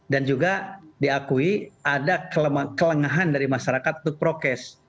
dan juga diakui ada kelemahan dari masyarakat untuk prokes